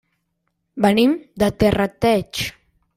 Venim de Terrateig.